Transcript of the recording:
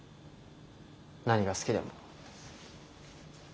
何が好きでも。